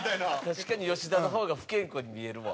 確かに吉田の方が不健康に見えるわ。